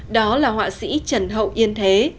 đó là họa sĩ trần hậu yên thế